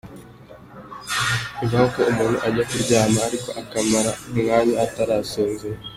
Bibaho ko umuntu ajya kuryama ariko akamara umwanya atarasinzira.